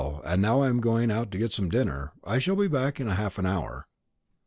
And now I am going out to get some dinner; I shall be back in half an hour."